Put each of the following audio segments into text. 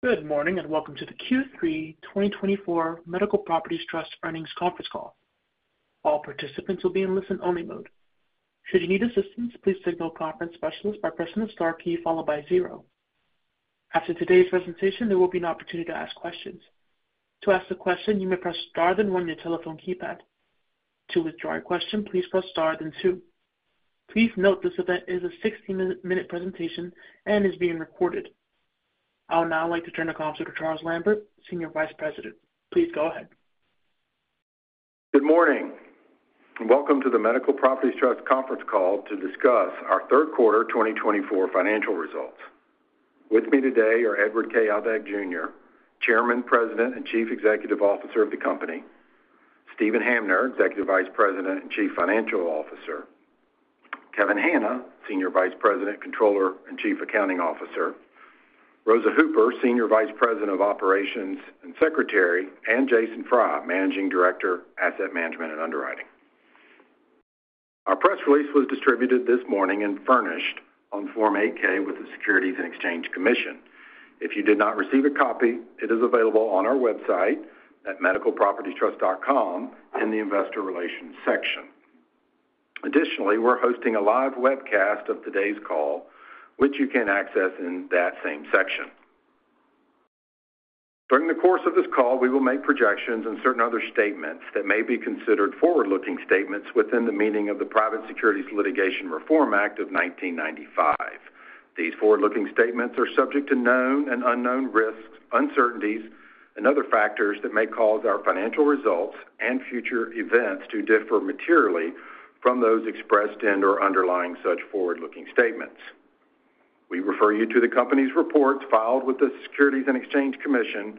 Good morning and welcome to the Q3 2024 Medical Properties Trust earnings conference call. All participants will be in listen-only mode. Should you need assistance, please signal conference specialist by pressing the star key followed by zero. After today's presentation, there will be an opportunity to ask questions. To ask a question, you may press star then one on your telephone keypad. To withdraw a question, please press star then two. Please note this event is a 60-minute presentation and is being recorded. I would now like to turn the conference to Charles Lambert, Senior Vice President. Please go ahead. Good morning and welcome to the Medical Properties Trust conference call to discuss our third quarter 2024 financial results. With me today are Edward K. Aldag, Jr., Chairman, President, and Chief Executive Officer of the company; Steven Hamner, Executive Vice President and Chief Financial Officer; Kevin Hanna, Senior Vice President, Controller, and Chief Accounting Officer; Rosa Hooper, Senior Vice President of Operations and Secretary; and Jason Frye, Managing Director, Asset Management and Underwriting. Our press release was distributed this morning and furnished on Form 8-K with the Securities and Exchange Commission. If you did not receive a copy, it is available on our website at medicalpropertiestrust.com in the Investor Relations section. Additionally, we're hosting a live webcast of today's call, which you can access in that same section. During the course of this call, we will make projections and certain other statements that may be considered forward-looking statements within the meaning of the Private Securities Litigation Reform Act of 1995. These forward-looking statements are subject to known and unknown risks, uncertainties, and other factors that may cause our financial results and future events to differ materially from those expressed in or underlying such forward-looking statements. We refer you to the company's reports filed with the Securities and Exchange Commission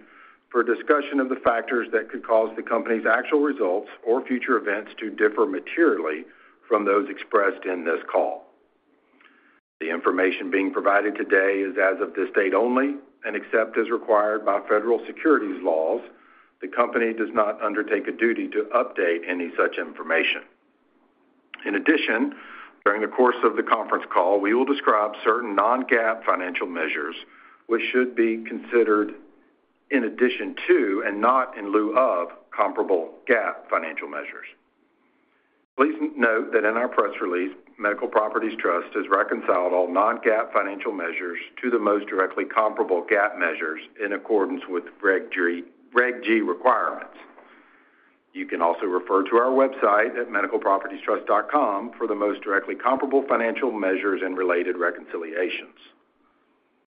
for discussion of the factors that could cause the company's actual results or future events to differ materially from those expressed in this call. The information being provided today is as of this date only and, except as required by federal securities laws, the company does not undertake a duty to update any such information. In addition, during the course of the conference call, we will describe certain non-GAAP financial measures which should be considered in addition to and not in lieu of comparable GAAP financial measures. Please note that in our press release, Medical Properties Trust has reconciled all non-GAAP financial measures to the most directly comparable GAAP measures in accordance with Reg. G requirements. You can also refer to our website at medicalpropertiestrust.com for the most directly comparable financial measures and related reconciliations.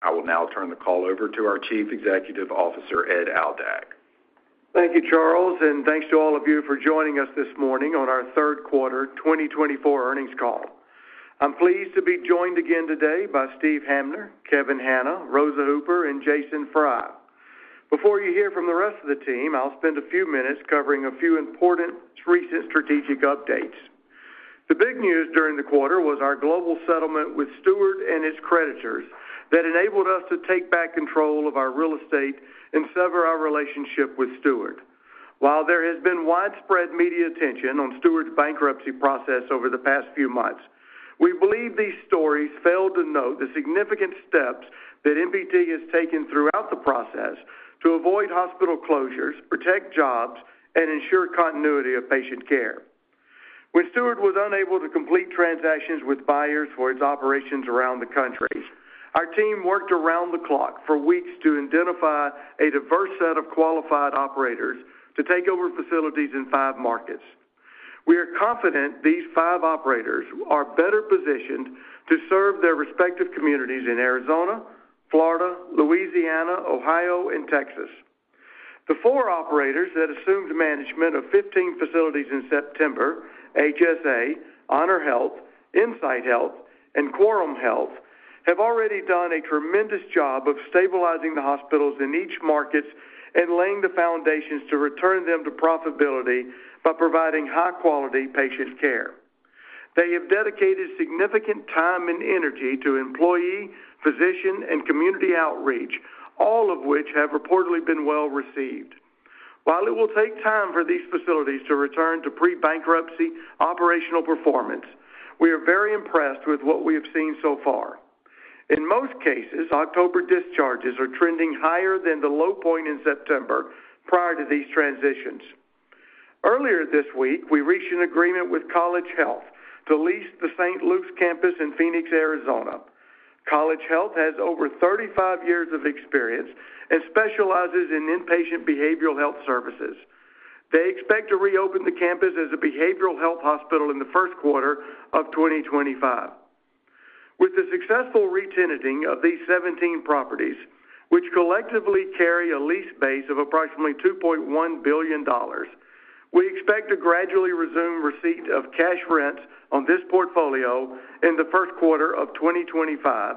I will now turn the call over to our Chief Executive Officer, Ed Aldag. Thank you, Charles, and thanks to all of you for joining us this morning on our third quarter 2024 earnings call. I'm pleased to be joined again today by Steven Hamner, Kevin Hanna, Rosa Hooper, and Jason Frye. Before you hear from the rest of the team, I'll spend a few minutes covering a few important recent strategic updates. The big news during the quarter was our global settlement with Steward and its creditors that enabled us to take back control of our real estate and sever our relationship with Steward. While there has been widespread media attention on Steward's bankruptcy process over the past few months, we believe these stories failed to note the significant steps that MPT has taken throughout the process to avoid hospital closures, protect jobs, and ensure continuity of patient care. When Steward was unable to complete transactions with buyers for its operations around the country, our team worked around the clock for weeks to identify a diverse set of qualified operators to take over facilities in five markets. We are confident these five operators are better positioned to serve their respective communities in Arizona, Florida, Louisiana, Ohio, and Texas. The four operators that assumed management of 15 facilities in September, HSA, HonorHealth, Insight Health, and Quorum Health, have already done a tremendous job of stabilizing the hospitals in each market and laying the foundations to return them to profitability by providing high-quality patient care. They have dedicated significant time and energy to employee, physician, and community outreach, all of which have reportedly been well received. While it will take time for these facilities to return to pre-bankruptcy operational performance, we are very impressed with what we have seen so far. In most cases, October discharges are trending higher than the low point in September prior to these transitions. Earlier this week, we reached an agreement with College Health to lease the St. Luke's campus in Phoenix, Arizona. College Health has over 35 years of experience and specializes in inpatient behavioral health services. They expect to reopen the campus as a behavioral health hospital in the first quarter of 2025. With the successful re-tenanting of these 17 properties, which collectively carry a lease base of approximately $2.1 billion, we expect a gradually resumed receipt of cash rents on this portfolio in the first quarter of 2025,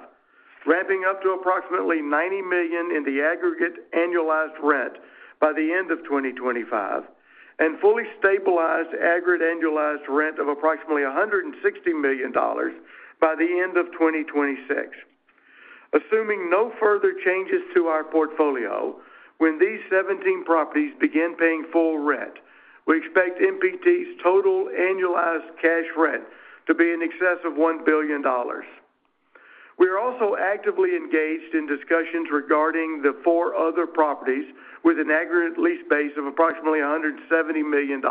ramping up to approximately $90 million in the aggregate annualized rent by the end of 2025, and fully stabilized aggregate annualized rent of approximately $160 million by the end of 2026. Assuming no further changes to our portfolio, when these 17 properties begin paying full rent, we expect MPT's total annualized cash rent to be in excess of $1 billion. We are also actively engaged in discussions regarding the four other properties with an aggregate lease base of approximately $170 million,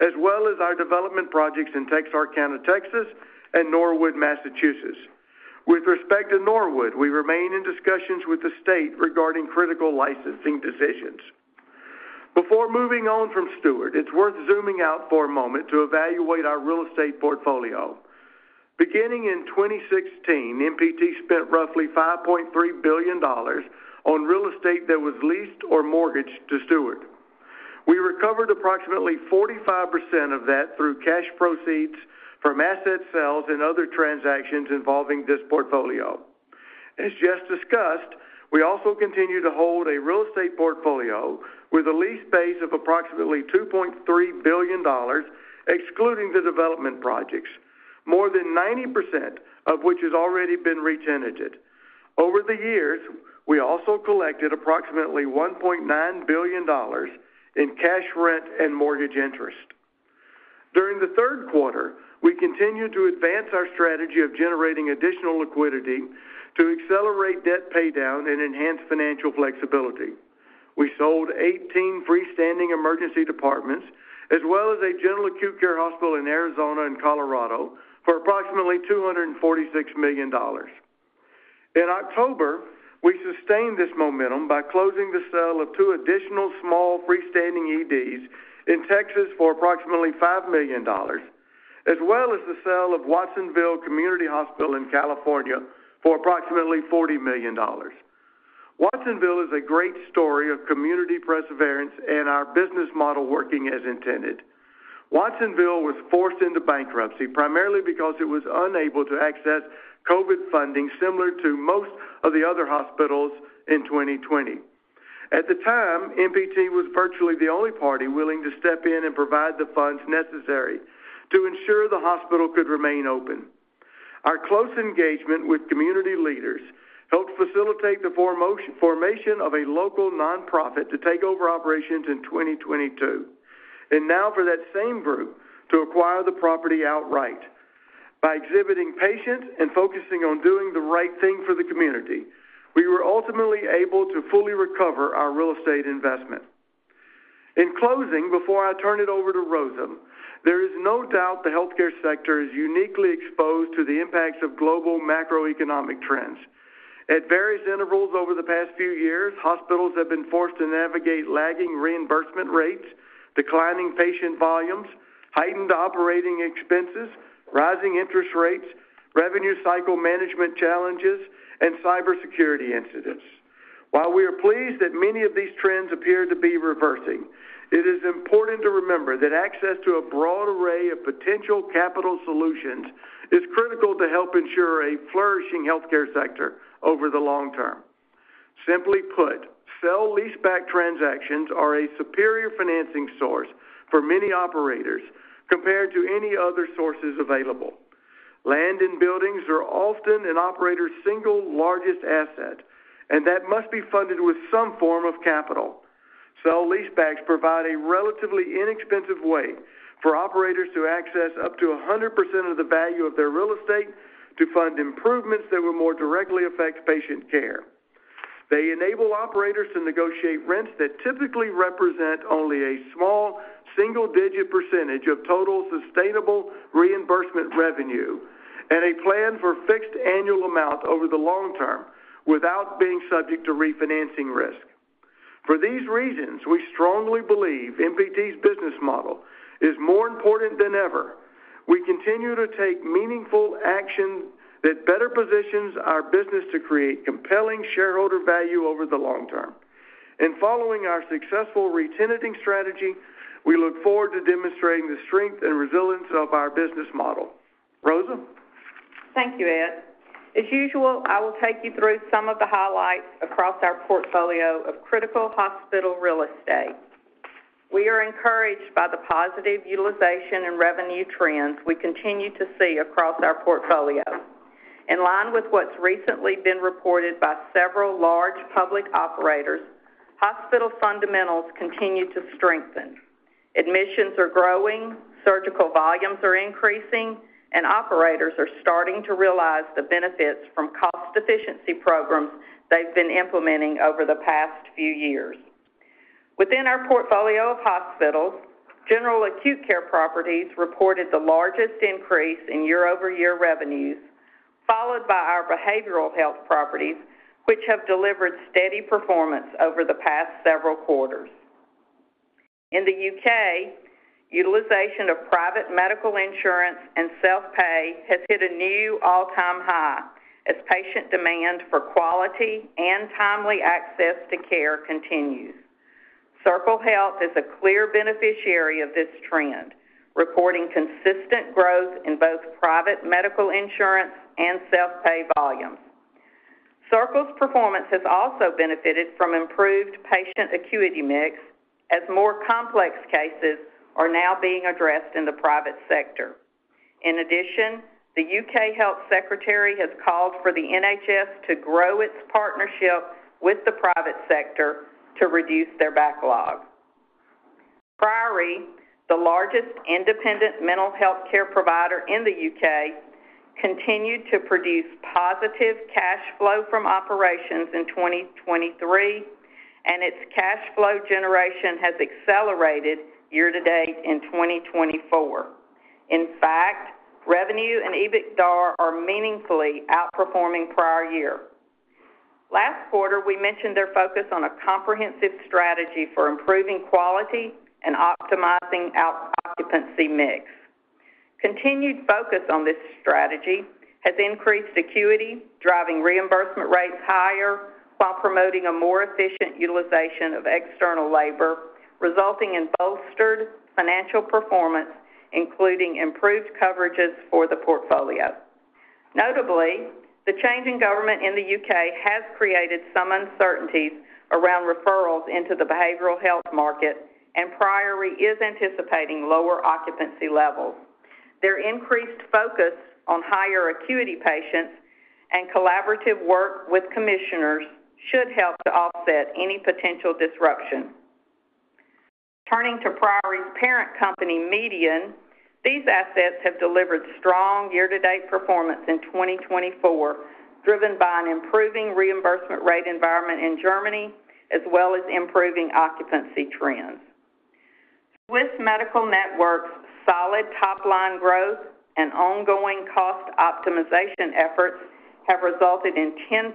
as well as our development projects in Texarkana, Texas, and Norwood, Massachusetts. With respect to Norwood, we remain in discussions with the state regarding critical licensing decisions. Before moving on from Steward, it's worth zooming out for a moment to evaluate our real estate portfolio. Beginning in 2016, MPT spent roughly $5.3 billion on real estate that was leased or mortgaged to Steward. We recovered approximately 45% of that through cash proceeds from asset sales and other transactions involving this portfolio. As just discussed, we also continue to hold a real estate portfolio with a lease base of approximately $2.3 billion, excluding the development projects, more than 90% of which has already been re-tenanted. Over the years, we also collected approximately $1.9 billion in cash rent and mortgage interest. During the third quarter, we continue to advance our strategy of generating additional liquidity to accelerate debt paydown and enhance financial flexibility. We sold 18 freestanding emergency departments, as well as a general acute care hospital in Arizona and Colorado, for approximately $246 million. In October, we sustained this momentum by closing the sale of two additional small freestanding EDs in Texas for approximately $5 million, as well as the sale of Watsonville Community Hospital in California for approximately $40 million. Watsonville is a great story of community perseverance and our business model working as intended. Watsonville was forced into bankruptcy primarily because it was unable to access COVID funding similar to most of the other hospitals in 2020. At the time, MPT was virtually the only party willing to step in and provide the funds necessary to ensure the hospital could remain open. Our close engagement with community leaders helped facilitate the formation of a local nonprofit to take over operations in 2022, and now for that same group to acquire the property outright. By exhibiting patience and focusing on doing the right thing for the community, we were ultimately able to fully recover our real estate investment. In closing, before I turn it over to Rosa, there is no doubt the healthcare sector is uniquely exposed to the impacts of global macroeconomic trends. At various intervals over the past few years, hospitals have been forced to navigate lagging reimbursement rates, declining patient volumes, heightened operating expenses, rising interest rates, revenue cycle management challenges, and cybersecurity incidents. While we are pleased that many of these trends appear to be reversing, it is important to remember that access to a broad array of potential capital solutions is critical to help ensure a flourishing healthcare sector over the long term. Simply put, sale lease-back transactions are a superior financing source for many operators compared to any other sources available. Land and buildings are often an operator's single largest asset, and that must be funded with some form of capital. Sale-leasebacks provide a relatively inexpensive way for operators to access up to 100% of the value of their real estate to fund improvements that would more directly affect patient care. They enable operators to negotiate rents that typically represent only a small single-digit percentage of total sustainable reimbursement revenue and a plan for fixed annual amounts over the long term without being subject to refinancing risk. For these reasons, we strongly believe MPT's business model is more important than ever. We continue to take meaningful action that better positions our business to create compelling shareholder value over the long term. In following our successful re-tenanting strategy, we look forward to demonstrating the strength and resilience of our business model. Rosa? Thank you, Ed. As usual, I will take you through some of the highlights across our portfolio of critical hospital real estate. We are encouraged by the positive utilization and revenue trends we continue to see across our portfolio. In line with what's recently been reported by several large public operators, hospital fundamentals continue to strengthen. Admissions are growing, surgical volumes are increasing, and operators are starting to realize the benefits from cost efficiency programs they've been implementing over the past few years. Within our portfolio of hospitals, general acute care properties reported the largest increase in year-over-year revenues, followed by our behavioral health properties, which have delivered steady performance over the past several quarters. In the U.K., utilization of private medical insurance and self-pay has hit a new all-time high as patient demand for quality and timely access to care continues. Circle Health is a clear beneficiary of this trend, reporting consistent growth in both private medical insurance and self-pay volumes. Circle's performance has also benefited from improved patient acuity mix as more complex cases are now being addressed in the private sector. In addition, the U.K. Health Secretary has called for the NHS to grow its partnership with the private sector to reduce their backlog. Priory, the largest independent mental healthcare provider in the U.K., continued to produce positive cash flow from operations in 2023, and its cash flow generation has accelerated year-to-date in 2024. In fact, revenue and EBITDA are meaningfully outperforming prior year. Last quarter, we mentioned their focus on a comprehensive strategy for improving quality and optimizing occupancy mix. Continued focus on this strategy has increased acuity, driving reimbursement rates higher while promoting a more efficient utilization of external labor, resulting in bolstered financial performance, including improved coverages for the portfolio. Notably, the change in government in the U.K. has created some uncertainties around referrals into the behavioral health market, and Priory is anticipating lower occupancy levels. Their increased focus on higher acuity patients and collaborative work with commissioners should help to offset any potential disruption. Turning to Priory's parent company, Median, these assets have delivered strong year-to-date performance in 2024, driven by an improving reimbursement rate environment in Germany, as well as improving occupancy trends. Swiss Medical Network's solid top-line growth and ongoing cost optimization efforts have resulted in 10%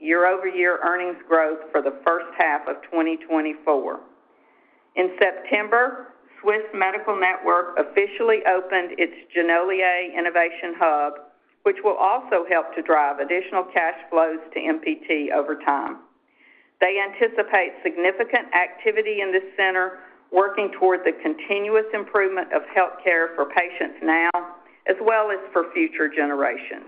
year-over-year earnings growth for the first half of 2024. In September, Swiss Medical Network officially opened its Genolier Innovation Hub, which will also help to drive additional cash flows to MPT over time. They anticipate significant activity in this center, working toward the continuous improvement of healthcare for patients now, as well as for future generations.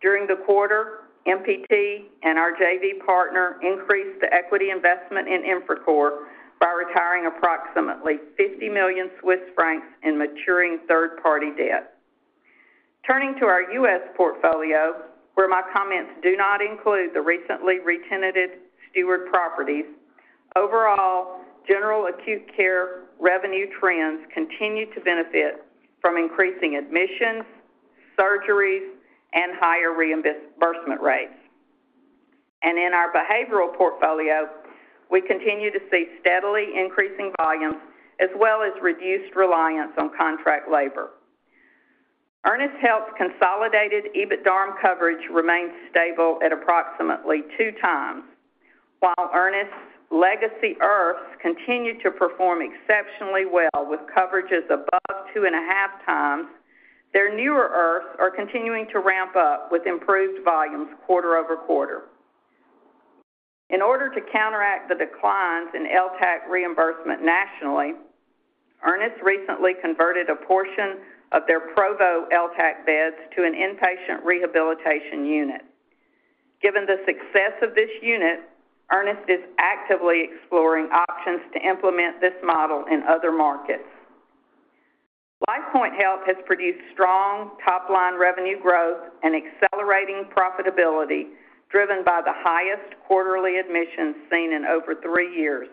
During the quarter, MPT and our JV partner increased the equity investment in Infracore by retiring approximately 50 million Swiss francs in maturing third-party debt. Turning to our US portfolio, where my comments do not include the recently re-tenanted Steward properties, overall general acute care revenue trends continue to benefit from increasing admissions, surgeries, and higher reimbursement rates. And in our behavioral portfolio, we continue to see steadily increasing volumes, as well as reduced reliance on contract labor. Ernest Health's consolidated EBITDA coverage remains stable at approximately two times. While Ernest's legacy IRFs continue to perform exceptionally well with coverages above two and a half times, their newer IRFs are continuing to ramp up with improved volumes quarter over quarter. In order to counteract the declines in LTAC reimbursement nationally, Ernest recently converted a portion of their Provo LTAC beds to an inpatient rehabilitation unit. Given the success of this unit, Ernest is actively exploring options to implement this model in other markets. LifePoint Health has produced strong top-line revenue growth and accelerating profitability driven by the highest quarterly admissions seen in over three years.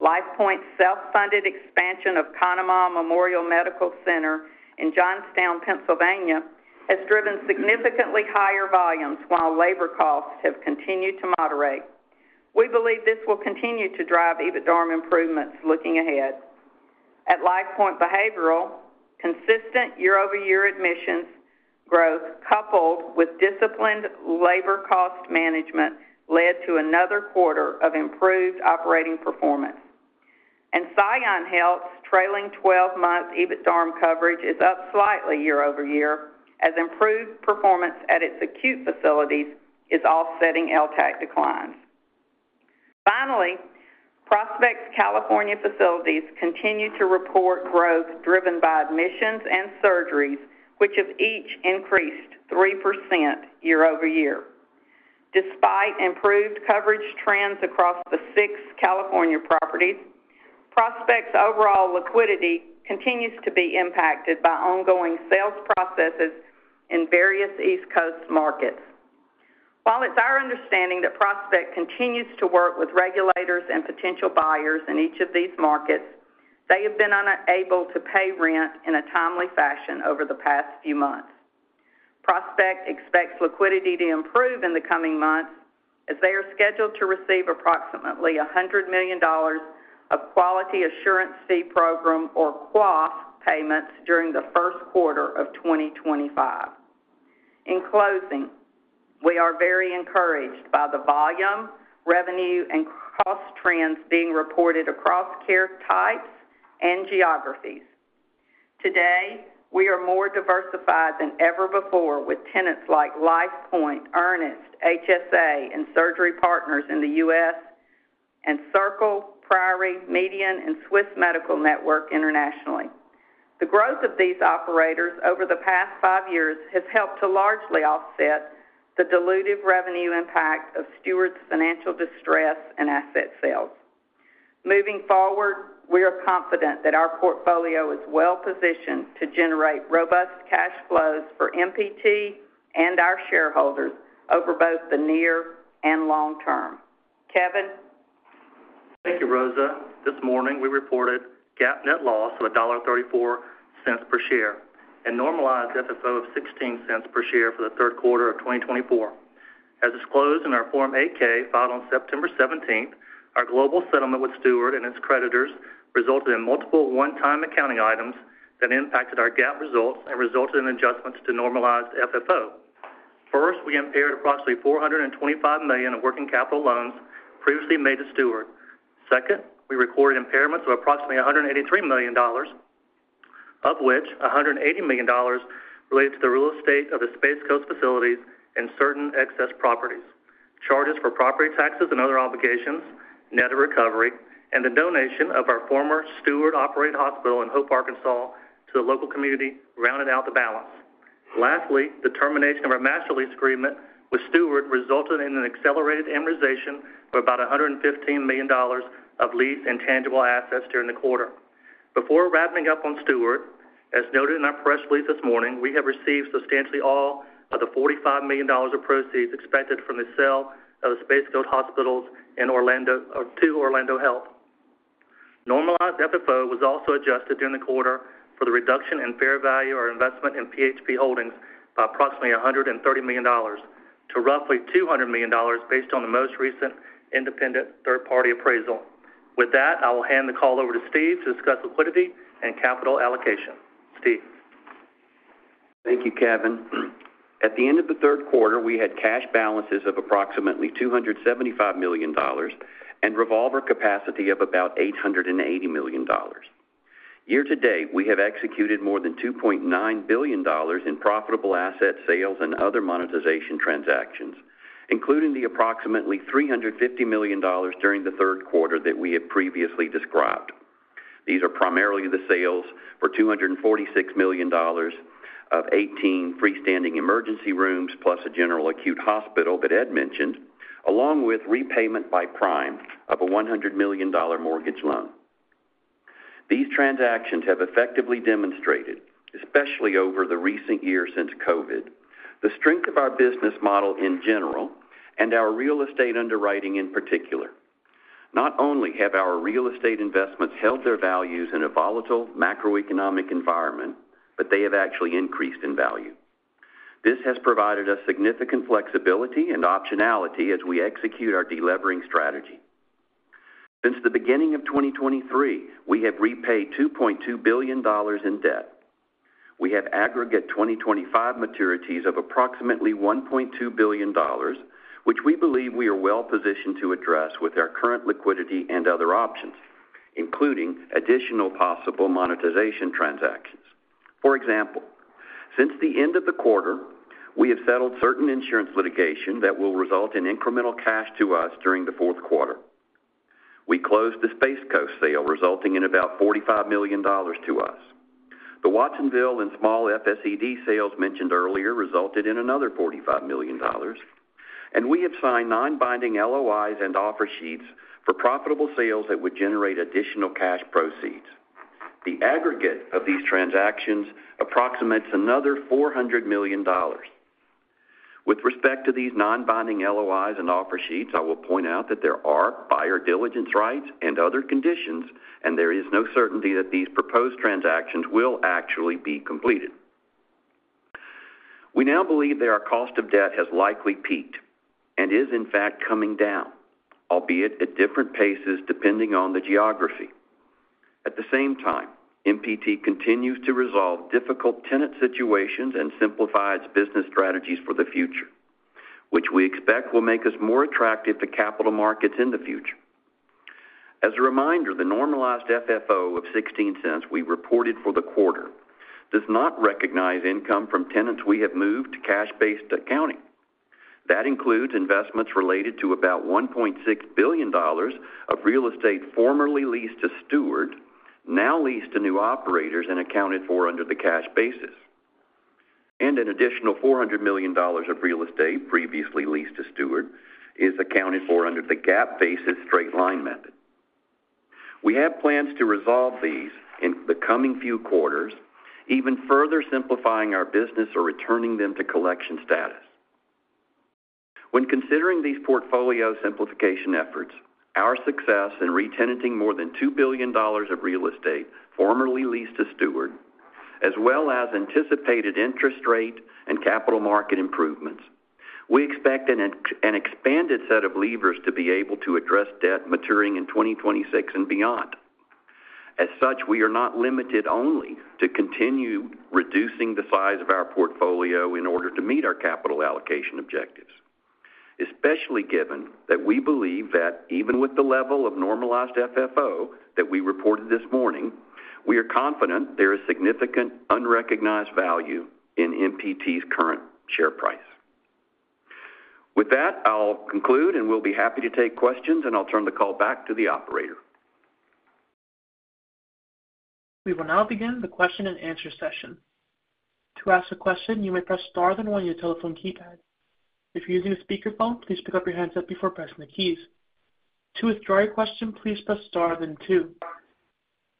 LifePoint's self-funded expansion of Conemaugh Memorial Medical Center in Johnstown, Pennsylvania, has driven significantly higher volumes, while labor costs have continued to moderate. We believe this will continue to drive EBITDA improvements looking ahead. At LifePoint Behavioral, consistent year-over-year admissions growth coupled with disciplined labor cost management led to another quarter of improved operating performance. And Scion Health's trailing 12-month EBITDA coverage is up slightly year-over-year, as improved performance at its acute facilities is offsetting LTAC declines. Finally, Prospect's California facilities continue to report growth driven by admissions and surgeries, which have each increased 3% year-over-year. Despite improved coverage trends across the six California properties, Prospect's overall liquidity continues to be impacted by ongoing sales processes in various East Coast markets. While it's our understanding that Prospect continues to work with regulators and potential buyers in each of these markets, they have been unable to pay rent in a timely fashion over the past few months. Prospect expects liquidity to improve in the coming months, as they are scheduled to receive approximately $100 million of quality assurance fee program, or QAF, payments during the first quarter of 2025. In closing, we are very encouraged by the volume, revenue, and cost trends being reported across care types and geographies. Today, we are more diversified than ever before with tenants like LifePoint, Ernest, HSA, and Surgery Partners in the U.S., and Circle, Priory, Median, and Swiss Medical Network internationally. The growth of these operators over the past five years has helped to largely offset the diluted revenue impact of Steward's financial distress and asset sales. Moving forward, we are confident that our portfolio is well-positioned to generate robust cash flows for MPT and our shareholders over both the near and long term. Kevin. Thank you, Rosa. This morning, we reported GAAP net loss of $1.34 per share and normalized FFO of $0.16 per share for the third quarter of 2024. As disclosed in our Form 8-K filed on September 17, our global settlement with Steward and its creditors resulted in multiple one-time accounting items that impacted our GAAP results and resulted in adjustments to normalized FFO. First, we impaired approximately $425 million of working capital loans previously made to Steward. Second, we recorded impairments of approximately $183 million, of which $180 million related to the real estate of the Space Coast facilities and certain excess properties, charges for property taxes and other obligations, net of recovery, and the donation of our former Steward-operated hospital in Hope, Arkansas, to the local community rounded out the balance. Lastly, the termination of our master lease agreement with Steward resulted in an accelerated amortization of about $115 million of lease and tangible assets during the quarter. Before wrapping up on Steward, as noted in our press release this morning, we have received substantially all of the $45 million of proceeds expected from the sale of the Space Coast hospitals to Orlando Health. Normalized FFO was also adjusted during the quarter for the reduction in fair value of our investment in PHP Holdings by approximately $130 million to roughly $200 million based on the most recent independent third-party appraisal. With that, I will hand the call over to Steve to discuss liquidity and capital allocation. Steve. Thank you, Kevin. At the end of the third quarter, we had cash balances of approximately $275 million and revolver capacity of about $880 million. Year-to-date, we have executed more than $2.9 billion in profitable asset sales and other monetization transactions, including the approximately $350 million during the third quarter that we have previously described. These are primarily the sales for $246 million of 18 freestanding emergency rooms plus a general acute hospital that Ed mentioned, along with repayment by Prime of a $100 million mortgage loan. These transactions have effectively demonstrated, especially over the recent years since COVID, the strength of our business model in general and our real estate underwriting in particular. Not only have our real estate investments held their values in a volatile macroeconomic environment, but they have actually increased in value. This has provided us significant flexibility and optionality as we execute our deleveraging strategy. Since the beginning of 2023, we have repaid $2.2 billion in debt. We have aggregate 2025 maturities of approximately $1.2 billion, which we believe we are well-positioned to address with our current liquidity and other options, including additional possible monetization transactions. For example, since the end of the quarter, we have settled certain insurance litigation that will result in incremental cash to us during the fourth quarter. We closed the Space Coast sale, resulting in about $45 million to us. The Watsonville and small FSED sales mentioned earlier resulted in another $45 million, and we have signed non-binding LOIs and offer sheets for profitable sales that would generate additional cash proceeds. The aggregate of these transactions approximates another $400 million. With respect to these non-binding LOIs and offer sheets, I will point out that there are buyer diligence rights and other conditions, and there is no certainty that these proposed transactions will actually be completed. We now believe that our cost of debt has likely peaked and is, in fact, coming down, albeit at different paces depending on the geography. At the same time, MPT continues to resolve difficult tenant situations and simplifies business strategies for the future, which we expect will make us more attractive to capital markets in the future. As a reminder, the normalized FFO of $0.16 we reported for the quarter does not recognize income from tenants we have moved to cash-based accounting. That includes investments related to about $1.6 billion of real estate formerly leased to Steward, now leased to new operators and accounted for under the cash basis, and an additional $400 million of real estate previously leased to Steward is accounted for under the GAAP basis straight-line method. We have plans to resolve these in the coming few quarters, even further simplifying our business or returning them to collection status. When considering these portfolio simplification efforts, our success in re-tenanting more than $2 billion of real estate formerly leased to Steward, as well as anticipated interest rate and capital market improvements, we expect an expanded set of levers to be able to address debt maturing in 2026 and beyond. As such, we are not limited only to continue reducing the size of our portfolio in order to meet our capital allocation objectives, especially given that we believe that even with the level of normalized FFO that we reported this morning, we are confident there is significant unrecognized value in MPT's current share price. With that, I'll conclude, and we'll be happy to take questions, and I'll turn the call back to the operator. We will now begin the question-and-answer session. To ask a question, you may press star then one on your telephone keypad. If you're using a speakerphone, please pick up your handset before pressing the keys. To withdraw your question, please press star then two.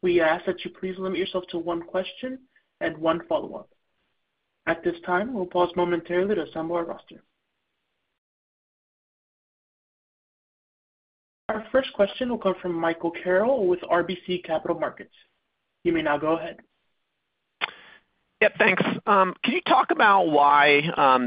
We ask that you please limit yourself to one question and one follow-up. At this time, we'll pause momentarily to assemble our roster. Our first question will come from Michael Carroll with RBC Capital Markets. You may now go ahead. Yep, thanks. Can you talk about why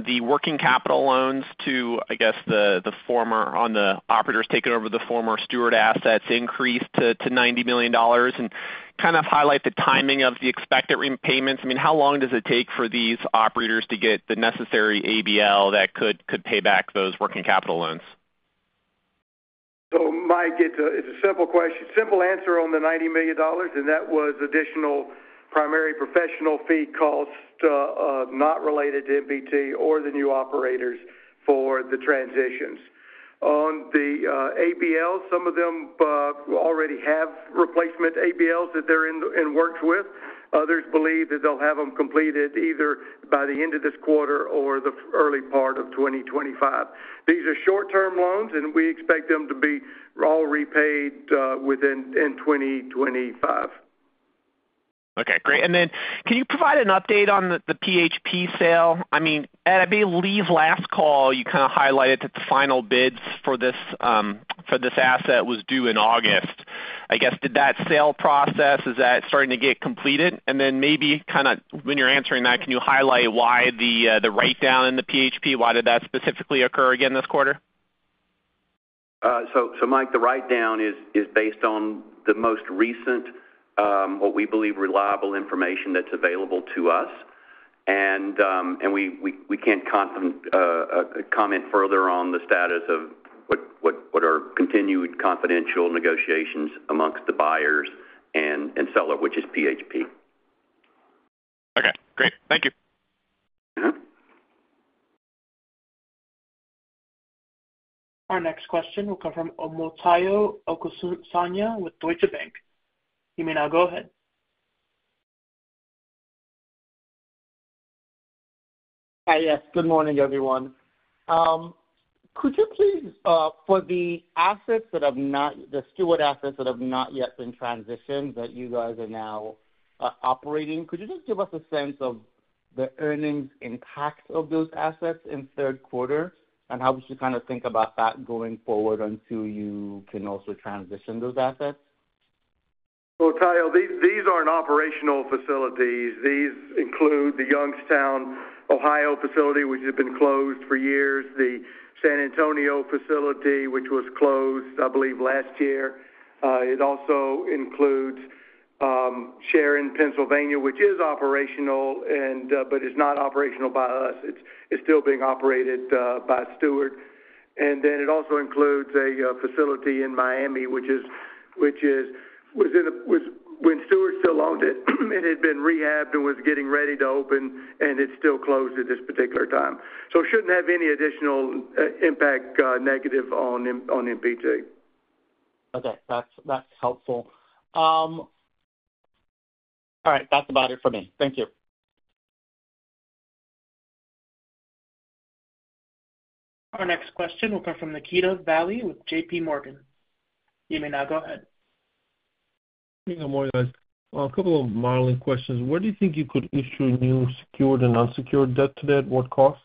the working capital loans to, I guess, the former owners, the operators taking over the former Steward assets increased to $90 million and kind of highlight the timing of the expected repayments? I mean, how long does it take for these operators to get the necessary ABL that could pay back those working capital loans? Mike, it's a simple answer on the $90 million, and that was additional primary professional fee cost not related to MPT or the new operators for the transitions. On the ABL, some of them already have replacement ABLs that they're in the works with. Others believe that they'll have them completed either by the end of this quarter or the early part of 2025. These are short-term loans, and we expect them to be all repaid within 2025. Okay, great. And then can you provide an update on the PHP sale? I mean, at I believe last call, you kind of highlighted that the final bids for this asset was due in August. I guess, did that sale process, is that starting to get completed? And then maybe kind of when you're answering that, can you highlight why the write-down in the PHP, why did that specifically occur again this quarter? So, Mike, the write-down is based on the most recent, what we believe reliable information that's available to us, and we can't comment further on the status of what are continued confidential negotiations amongst the buyers and seller, which is PHP. Okay, great. Thank you. Our next question will come from Omotayo Okusanya with Deutsche Bank. You may now go ahead. Hi, yes. Good morning, everyone. Could you please, for the assets that have not, the Steward assets that have not yet been transitioned that you guys are now operating, could you just give us a sense of the earnings impact of those assets in third quarter and how would you kind of think about that going forward until you can also transition those assets? Omotayo, these are in operational facilities. These include the Youngstown, Ohio facility, which has been closed for years, the San Antonio facility, which was closed, I believe, last year. It also includes Sharon, Pennsylvania, which is operational but is not operational by us. It's still being operated by Steward. And then it also includes a facility in Miami, which is, when Steward still owned it, it had been rehabbed and was getting ready to open, and it's still closed at this particular time. So it shouldn't have any additional impact negative on MPT. Okay, that's helpful. All right, that's about it for me. Thank you. Our next question will come from Nikita Bely with J.P. Morgan. You may now go ahead. Nikita Bely, a couple of modeling questions. Where do you think you could issue new secured and unsecured debt today at what cost?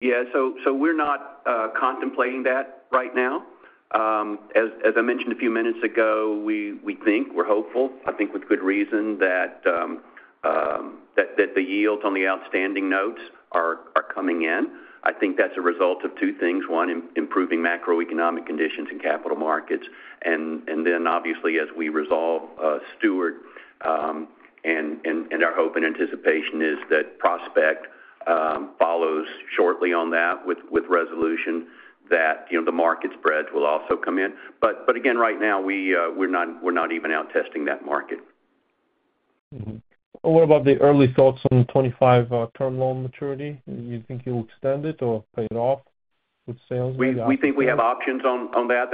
Yeah, so we're not contemplating that right now. As I mentioned a few minutes ago, we think, we're hopeful, I think with good reason, that the yields on the outstanding notes are coming in. I think that's a result of two things. One, improving macroeconomic conditions in capital markets. And then obviously, as we resolve Steward, and our hope and anticipation is that Prospect follows shortly on that with resolution, that the market spreads will also come in. But again, right now, we're not even out testing that market. What about the early thoughts on 2025-term loan maturity? Do you think you'll extend it or pay it off with sales? We think we have options on that.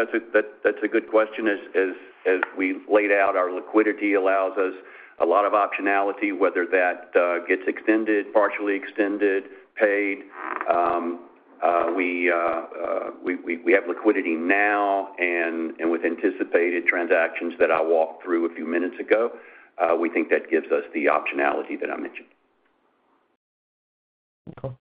That's a good question. As we laid out, our liquidity allows us a lot of optionality, whether that gets extended, partially extended, paid. We have liquidity now, and with anticipated transactions that I walked through a few minutes ago, we think that gives us the optionality that I mentioned. Okay.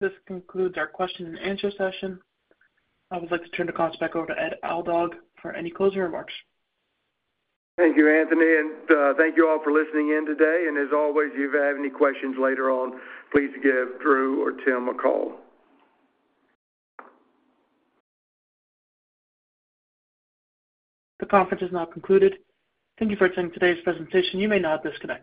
This concludes our question-and-answer session. I would like to turn the call back over to Ed Aldag for any closing remarks. Thank you, Anthony, and thank you all for listening in today. And as always, if you have any questions later on, please give Drew or Tim a call. The conference is now concluded. Thank you for attending today's presentation. You may now disconnect.